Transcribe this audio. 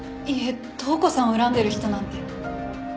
いいえ塔子さんを恨んでる人なんて。